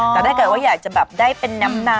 แต่ถ้าเกิดว่าอยากจะแบบได้เป็นน้ำ